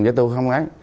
với tôi không nói